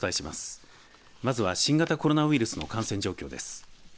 まずは、新型コロナウイルスの感染状況です。